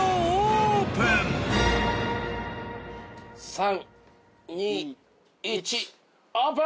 ３２１オープン。